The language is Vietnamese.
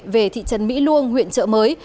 về thị trấn mỹ luông huyện trợ mới